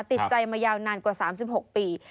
ติดใจมายาวนานกว่า๓๖ปี